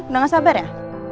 udah gak sabar ya